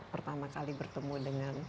pertama kali bertemu dengan